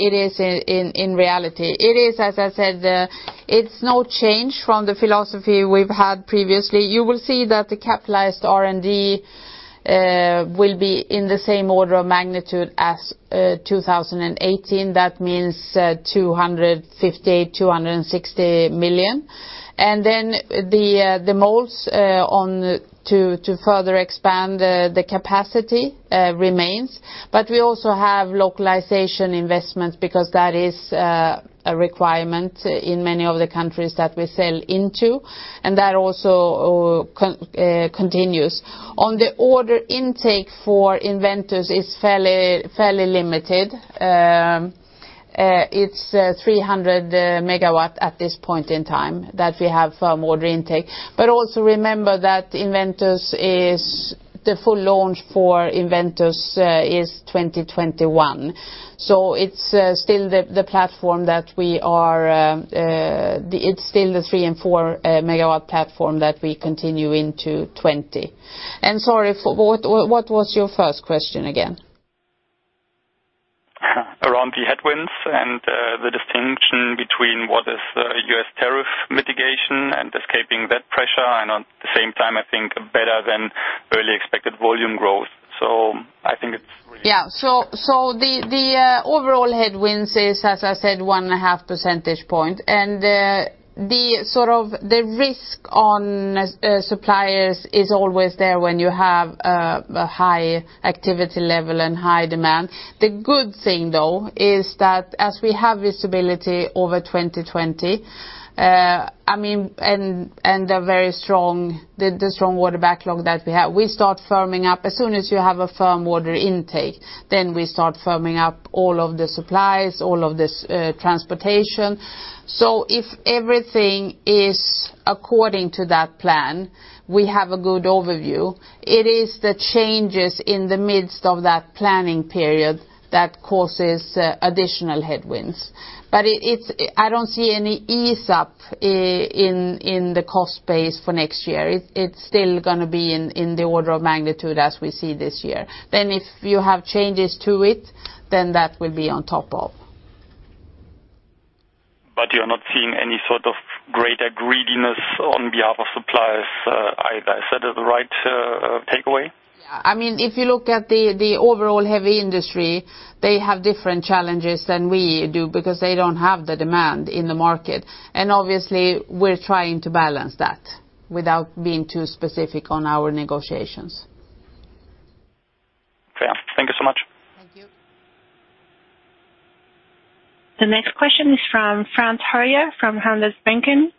it is in reality. It is, as I said, it's no change from the philosophy we've had previously. You will see that the capitalized R&D will be in the same order of magnitude as 2018. That means 250 million-260 million. The molds to further expand the capacity remains. We also have localization investments because that is a requirement in many of the countries that we sell into, and that also continues. On the order intake for EnVentus is fairly limited. It's 300 MW at this point in time that we have firm order intake. Also remember that the full launch for EnVentus is 2021. It's still the 3 MW and 4 MW platform that we continue into 2020. Sorry, what was your first question again? Around the headwinds and the distinction between what is U.S. tariff mitigation and escaping that pressure, and at the same time, I think, better than early expected volume growth. I think it's really. Yeah. The overall headwinds is, as I said, 1.5 percentage point. The risk on suppliers is always there when you have a high activity level and high demand. The good thing, though, is that as we have visibility over 2020, the strong order backlog that we have, as soon as you have a firm order intake, we start firming up all of the supplies, all of this transportation. If everything is according to that plan, we have a good overview. It is the changes in the midst of that planning period that causes additional headwinds. I don't see any ease-up in the cost base for next year. It's still going to be in the order of magnitude as we see this year. If you have changes to it, that will be on top of. You're not seeing any sort of greater greediness on behalf of suppliers either. Is that the right takeaway? Yeah. If you look at the overall heavy industry, they have different challenges than we do because they don't have the demand in the market. Obviously, we're trying to balance that without being too specific on our negotiations. Clear. Thank you so much. Thank you. The next question is from Frans Hoyer from Handelsbanken.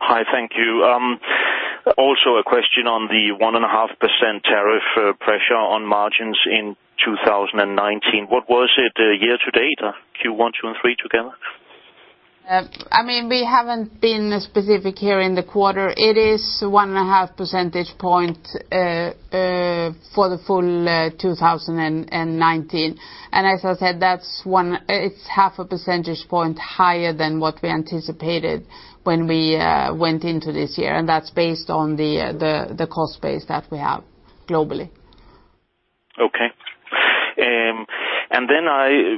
Hi, thank you. Also a question on the 1.5% tariff pressure on margins in 2019. What was it year-to-date? Q1, Q2, and Q3 together? We haven't been specific here in the quarter. It is 1.5 percentage point for the full 2019. As I said, it's 0.5 percentage point higher than what we anticipated when we went into this year, and that's based on the cost base that we have globally. Okay.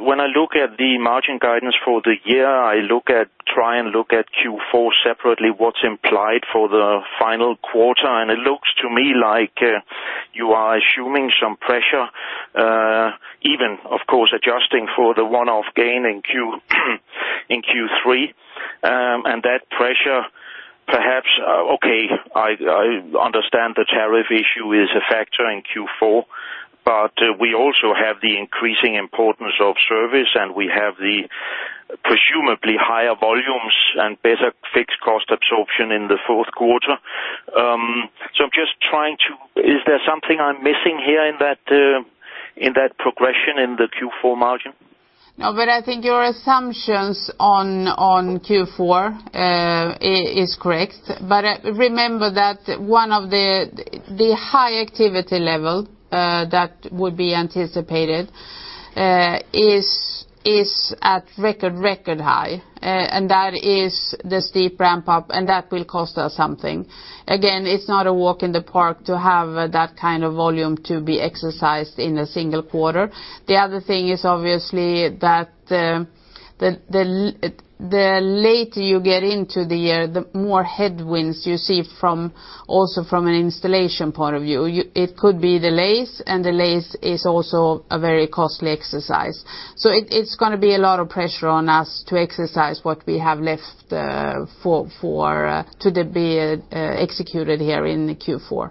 When I look at the margin guidance for the year, I try and look at Q4 separately, what's implied for the final quarter, and it looks to me like you are assuming some pressure, even, of course, adjusting for the one-off gain in Q3. That pressure perhaps, I understand the tariff issue is a factor in Q4, but we also have the increasing importance of service, and we have the presumably higher volumes and better fixed cost absorption in the fourth quarter. I'm just trying to, is there something I'm missing here in that progression in the Q4 margin? No, but I think your assumptions on Q4 is correct. Remember that the high activity level that would be anticipated is at record high, and that is the steep ramp-up, and that will cost us something. Again, it's not a walk in the park to have that kind of volume to be exercised in a single quarter. The other thing is obviously that the later you get into the year, the more headwinds you see also from an installation point of view. It could be delays, and delays is also a very costly exercise. It's going to be a lot of pressure on us to exercise what we have left to be executed here in Q4.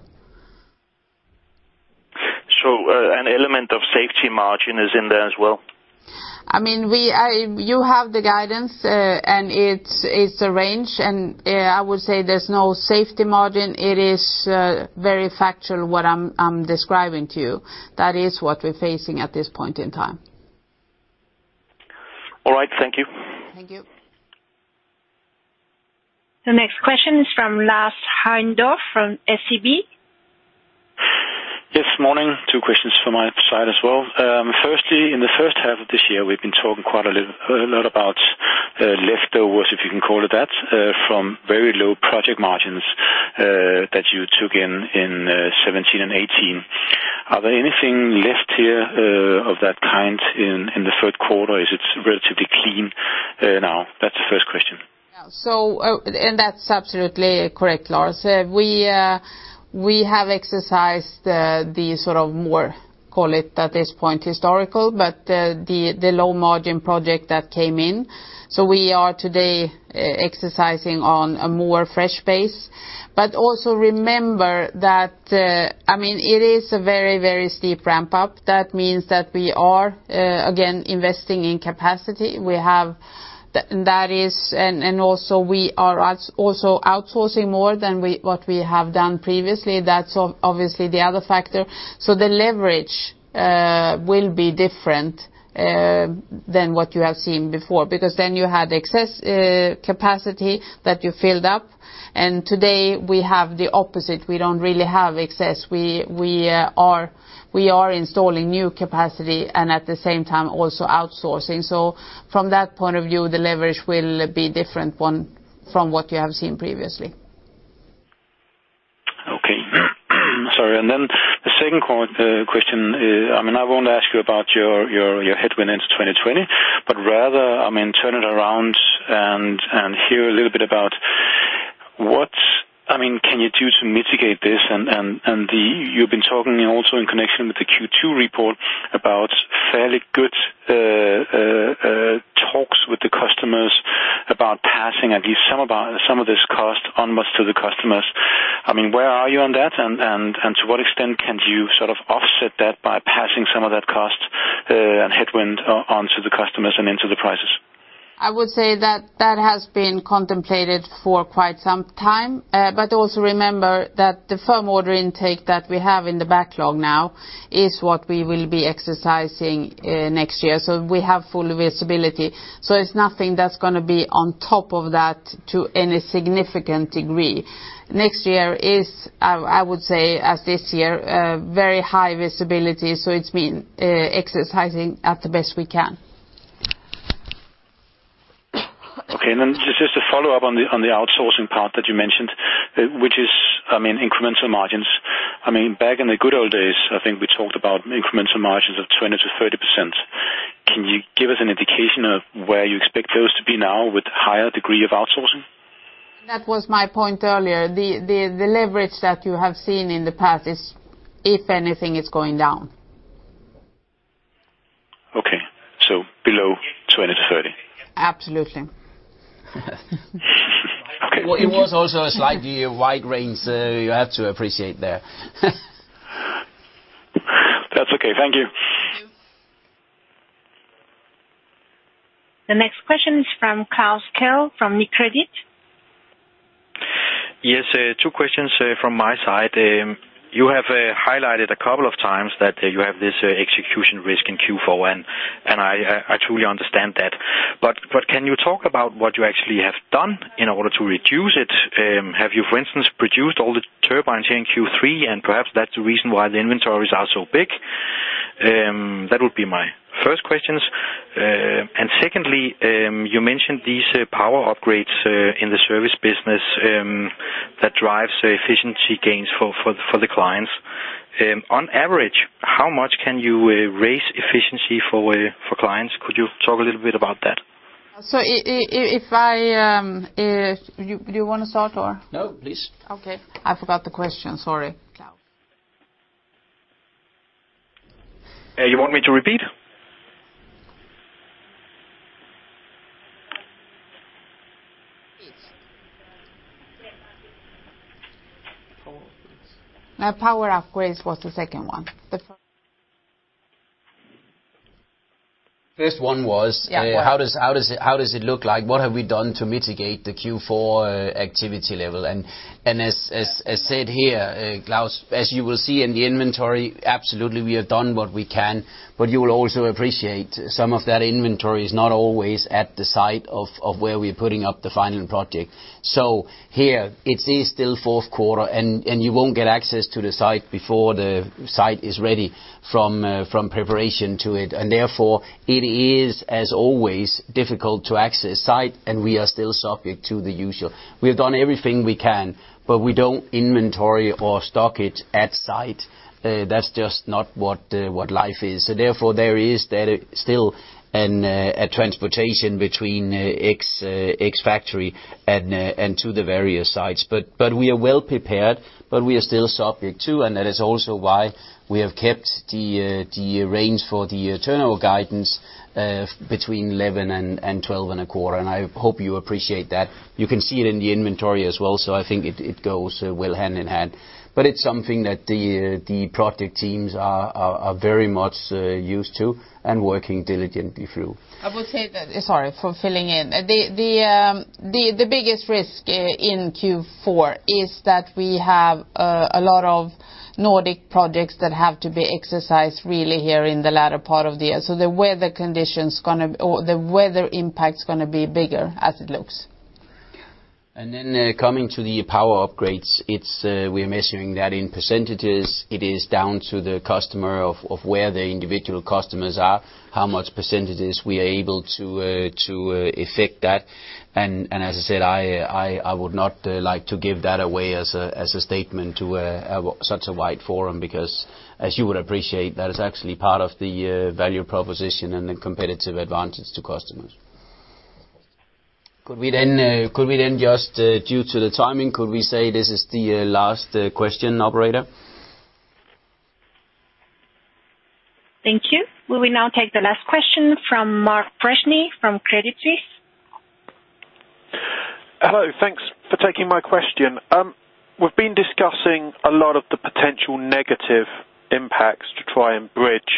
An element of safety margin is in there as well? You have the guidance, it's a range, I would say there's no safety margin. It is very factual what I'm describing to you. That is what we're facing at this point in time. All right. Thank you. Thank you. The next question is from Lars Heindorff from SEB. Yes, morning. Two questions from my side as well. Firstly, in the first half of this year, we've been talking quite a lot about leftovers, if you can call it that, from very low project margins that you took in in 2017 and 2018. Are there anything left here of that kind in the third quarter? Is it relatively clean now? That's the first question. That's absolutely correct, Lars. We have exercised the more, call it at this point historical, but the low-margin project that came in. We are today exercising on a more fresh base. Also remember that it is a very steep ramp-up. That means that we are again investing in capacity. That is, and also we are also outsourcing more than what we have done previously. That's obviously the other factor. The leverage will be different than what you have seen before, because then you had excess capacity that you filled up. Today we have the opposite. We don't really have excess. We are installing new capacity and at the same time, also outsourcing. From that point of view, the leverage will be different from what you have seen previously. Okay. Sorry. The second question, I want to ask you about your headwind into 2020, but rather, turn it around and hear a little bit about what can you do to mitigate this, and you've been talking also in connection with the Q2 report about fairly good talks with the customers about passing at least some of this cost almost to the customers. Where are you on that, and to what extent can you sort of offset that by passing some of that cost and headwind onto the customers and into the prices? I would say that has been contemplated for quite some time. Also remember that the firm order intake that we have in the backlog now is what we will be exercising next year. We have full visibility. It's nothing that's going to be on top of that to any significant degree. Next year is, I would say, as this year, very high visibility, so it's been exercising at the best we can. Okay. Then, just to follow up on the outsourcing part that you mentioned, which is incremental margins. Back in the good old days, I think we talked about incremental margins of 20%-30%. Can you give us an indication of where you expect those to be now with higher degree of outsourcing? That was my point earlier. The leverage that you have seen in the past is, if anything, it's going down. Okay. Below 20%-30%. Absolutely. Okay. Thank you. Well, it was also a slightly wide range, you have to appreciate there. That's okay. Thank you. The next question is from Klaus Kehl from Nykredit. Yes, two questions from my side. You have highlighted a couple of times that you have this execution risk in Q4. I truly understand that. Can you talk about what you actually have done in order to reduce it? Have you, for instance, produced all the turbines here in Q3? Perhaps that's the reason why the inventories are so big? That would be my first question. Secondly, you mentioned these power upgrades in the Service business that drives efficiency gains for the clients. On average, how much can you raise efficiency for clients? Could you talk a little bit about that? Do you want to start or? No, please. Okay. I forgot the question, sorry, Klaus. You want me to repeat? Power upgrades. No, power upgrades was the second one. First one was- Yeah How does it look like? What have we done to mitigate the Q4 activity level? As said here, Klaus, as you will see in the inventory, absolutely, we have done what we can, but you will also appreciate some of that inventory is not always at the site of where we're putting up the final project. Here, it is still fourth quarter, and you won't get access to the site before the site is ready from preparation to it. Therefore, it is, as always, difficult to access site, and we are still subject to the usual. We've done everything we can, but we don't inventory or stock it at site. That's just not what life is. Therefore, there is still a transportation between ex-factory and to the various sites. We are well prepared, but we are still subject to, and that is also why we have kept the range for the external guidance between 11 billion and 12.25 billion. I hope you appreciate that. You can see it in the inventory as well. I think it goes well hand in hand. It's something that the project teams are very much used to and working diligently through. I would say that, sorry for filling in. The biggest risk in Q4 is that we have a lot of Nordic projects that have to be exercised really here in the latter part of the year. The weather impact is going to be bigger as it looks. Coming to the power upgrades, we're measuring that in percentages. It is down to the customer of where the individual customers are, how much percentages we are able to affect that. As I said, I would not like to give that away as a statement to such a wide forum, because as you would appreciate, that is actually part of the value proposition and the competitive advantage to customers. Could we just due to the timing, could we say this is the last question, operator? Thank you. We will now take the last question from Mark Freshney from Credit Suisse. Hello. Thanks for taking my question. We've been discussing a lot of the potential negative impacts to try and bridge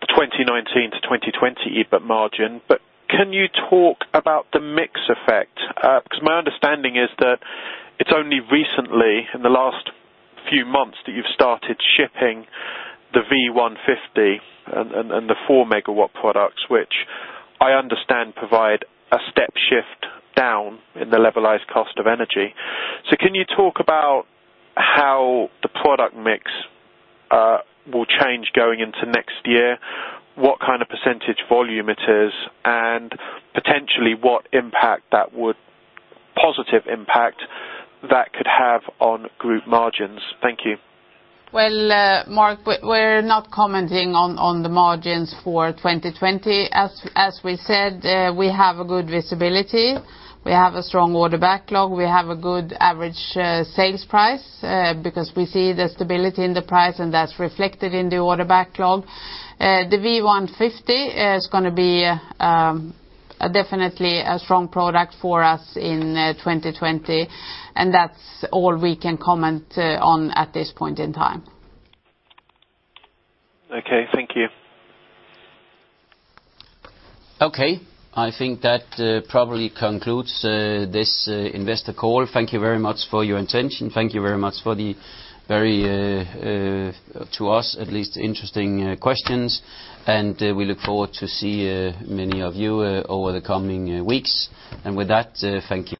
the 2019 to 2020 EBIT margin. Can you talk about the mix effect? Because my understanding is that it's only recently, in the last few months, that you've started shipping the V150 and the 4 MW products, which I understand provide a step shift down in the levelized cost of energy. Can you talk about how the product mix will change going into next year? What kind of percentage volume it is, and potentially what positive impact that could have on group margins? Thank you. Well, Mark, we're not commenting on the margins for 2020. As we said, we have a good visibility. We have a strong order backlog. We have a good average sales price, because we see the stability in the price, and that's reflected in the order backlog. The V150 is going to be definitely a strong product for us in 2020, and that's all we can comment on at this point in time. Okay, thank you. Okay, I think that probably concludes this investor call. Thank you very much for your attention. Thank you very much for the very, to us at least, interesting questions, and we look forward to see many of you over the coming weeks. With that, thank you.